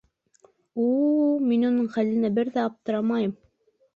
У-у, мин уның хәленә бер ҙә аптырамайым.